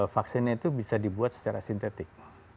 vaksinnya itu bisa dibuat secara sintetik